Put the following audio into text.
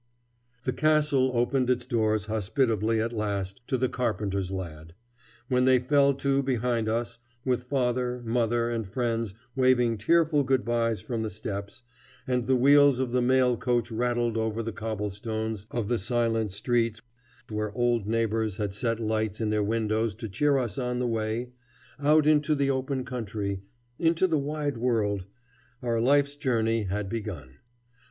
The Castle opened its doors hospitably at last to the carpenter's lad. When they fell to behind us, with father, mother, and friends waving tearful good bys from the steps, and the wheels of the mail coach rattled over the cobblestones of the silent streets where old neighbors had set lights in their windows to cheer us on the way, out into the open country, into the wide world, our life's journey had begun.